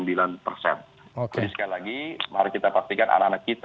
jadi sekali lagi mari kita pastikan anak anak kita